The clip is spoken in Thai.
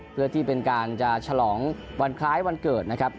เพื่อที่เป็นการจะฉลองวันคล้ายวันเกิดนะครับ